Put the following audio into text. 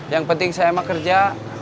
yang penting saya mah kerja